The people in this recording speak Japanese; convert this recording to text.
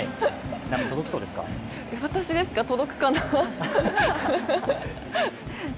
私ですか、届くかな？